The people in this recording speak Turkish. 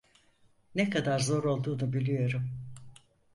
Ne kadar zor olduğunu biliyorum.